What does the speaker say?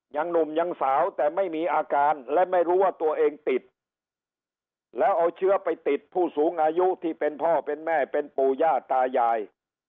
ยังหนุ่มยังสาวแต่ไม่มีอาการและไม่รู้ว่าตัวเองติดแล้วเอาเชื้อไปติดผู้สูงอายุที่เป็นพ่อเป็นแม่เป็นปู่ย่าตายาย